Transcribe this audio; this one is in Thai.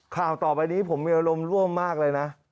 ข่าวต่อไปนี้ผมมีอารมณ์ร่วมมากเลยนะ